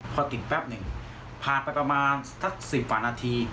พอติดแป๊บหนึ่งผ่านไปประมาณสัก๑๐กว่านาที